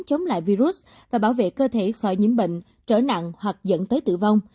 chống lại virus và bảo vệ cơ thể khỏi những bệnh trở nặng hoặc dẫn tới tử vong